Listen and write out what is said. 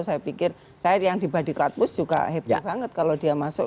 saya pikir saya yang di body cladpus juga happy banget kalau dia masuk